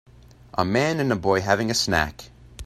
A man and a boy having a snack.